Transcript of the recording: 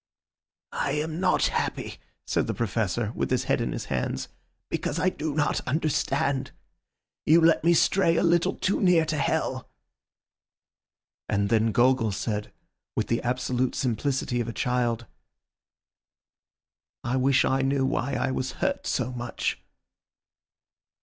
"I am not happy," said the Professor with his head in his hands, "because I do not understand. You let me stray a little too near to hell." And then Gogol said, with the absolute simplicity of a child— "I wish I knew why I was hurt so much."